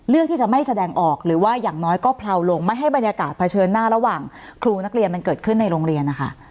ที่จะไม่แสดงออกหรือว่าอย่างน้อยก็เผลาลงไม่ให้บรรยากาศเผชิญหน้าระหว่างครูนักเรียนมันเกิดขึ้นในโรงเรียนนะคะ